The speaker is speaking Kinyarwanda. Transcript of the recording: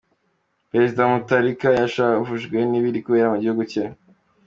Perezida Mutharika yashavujwe n’ibiri kubera mu gihugu cye .